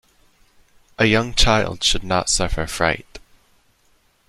A young child should not suffer fright.